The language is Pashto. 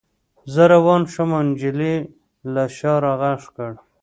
زه روان شوم او نجلۍ له شا را غږ کړ